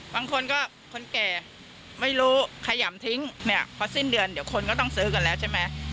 บางคนก็คนแก่ไม่รู้ขยำทิ้งเนี่ยพอสิ้นเดือนเดี๋ยวคนก็ต้องซื้อกันแล้วใช่ไหม